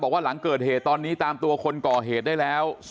หลังเกิดเหตุตอนนี้ตามตัวคนก่อเหตุได้แล้ว